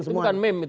itu bukan meme itu